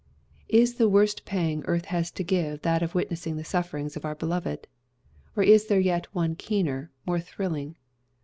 Is the worst pang earth has to give that of witnessing the sufferings of our beloved? Or is there yet one keener, more thrilling?